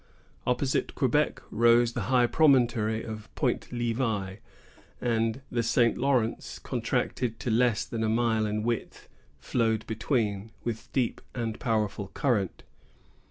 Opposite Quebec rose the high promontory of Point Levi; and the St. Lawrence, contracted to less than a mile in width, flowed between, with deep and powerful current.